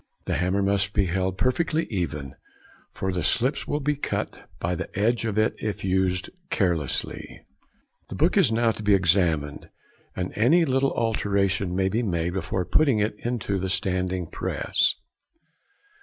The hammer must be held perfectly even, for the slips will be cut by the edge of it if used carelessly. The book is now to be examined, and any little alteration may be made before putting it into the standing press.